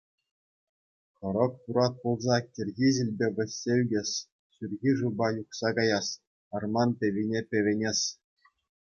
Хӑрӑк турат пулса кӗрхи ҫилпе вӗҫсе ӳкес, ҫурхи шывпа юхса каяс, арман пӗвине пӗвенес.